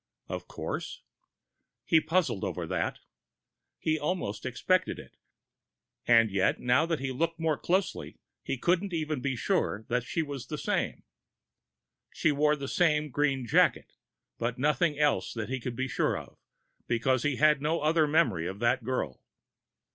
Of course? He puzzled over that. He'd almost expected it and yet, now that he looked more closely, he couldn't even be sure that she was the same. She wore the same green jacket, but nothing else he could be sure of, because he had no other memory of that girl.